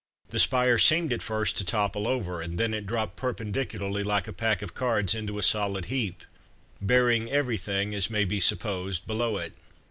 The spire seemed at first to topple over, and then it dropped perpendicularly like a pack of cards into a solid heap, burying everything, as may be supposed, below it.